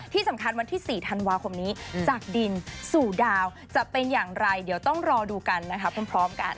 วันที่๔ธันวาคมนี้จากดินสู่ดาวจะเป็นอย่างไรเดี๋ยวต้องรอดูกันนะคะพร้อมกัน